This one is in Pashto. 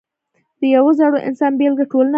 د یو زړور انسان بېلګه ټولنه بدلوي.